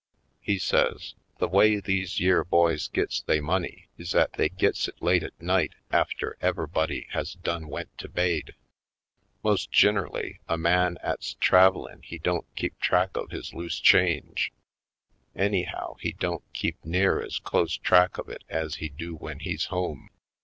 He says: "The way these yere boys gits they money is 'at they gits it late at night after ever'body has done went to baid. Most gin'elly a man 'at's travelin' he don't keep track of his loose North Bound 35 change. Anyhow, he don't keep near ez close track of it ez he do w'en he's home.